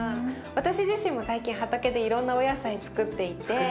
私自身も最近畑でいろんなお野菜つくっていて。